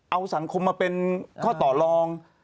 เอาสังคมมาเป็นข้อต่อรอง